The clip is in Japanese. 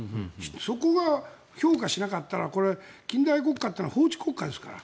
そこを強調しなかったら近代国家は法治国家ですから。